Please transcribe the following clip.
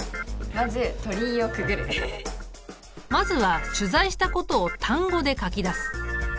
まずまずは取材したことを単語で書き出す。